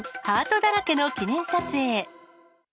ハートだらけの記念撮影。